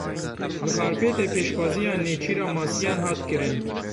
Li Xarpêtê pêşbaziya nêçîra masiyan hat kirin.